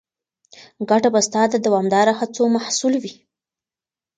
ګټه به ستا د دوامداره هڅو محصول وي.